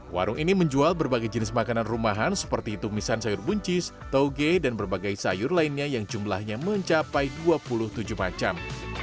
warung ini menjual berbagai jenis makanan rumahan seperti tumisan sayur buncis toge dan berbagai sayur lainnya yang jumlahnya mencapai dua puluh tujuh macam